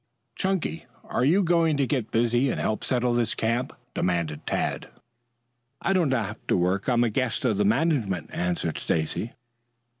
"Chunky, are you going to get busy and help settle this camp?" demanded Tad. "I don't have to work. I'm a guest of the management," answered Stacy.